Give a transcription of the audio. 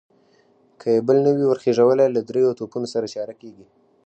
که يې بل نه وي ور خېژولی، له درېيو توپونو سره چاره کېږي.